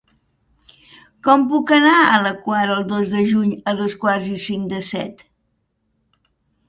Com puc anar a la Quar el dos de juny a dos quarts i cinc de set?